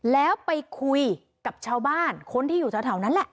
แล้วไปคุยกับชาวบ้านคนที่อยู่แถวนั้นแหละ